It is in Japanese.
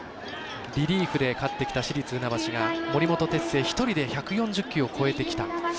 リリーフで勝ってきた市立船橋が森本哲星１人で１４０球超えてきた。